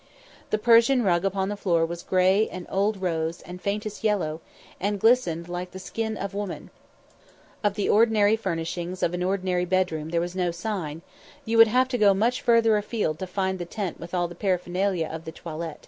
The Persian rug upon the floor was grey and old rose and faintest yellow, and glistened like the skin of woman; of the ordinary furnishings of an ordinary bedroom there was no sign you would have to go much farther afield to find the tent with all the paraphernalia of the toilet.